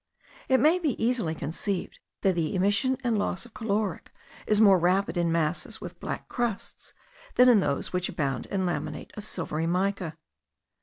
It may be easily conceived that the emission and loss of caloric is more rapid in masses with black crusts than in those which abound in laminae of silvery mica.